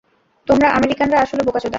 তোমরা আমেরিকানরা আসলে বোকাচোদা।